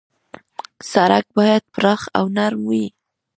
سړک باید پراخ او نرم وي.